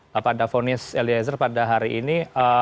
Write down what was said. dapak davonis eliezer pada hari ini